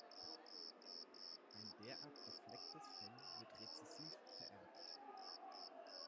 Ein derart geflecktes Fell wird rezessiv vererbt.